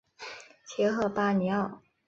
切赫巴尼奥。